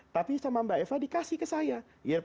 tapi sama mbak eva dikasih ke saya